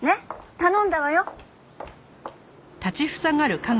頼んだわよ。